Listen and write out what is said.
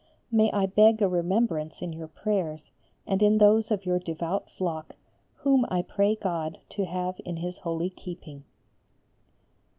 May I beg a remembrance in your prayers and in those of your devout flock, whom I pray God to have in His holy keeping.